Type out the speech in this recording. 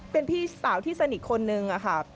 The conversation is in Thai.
เป็นพี่สาวที่สะนิกคนนึงอะครับ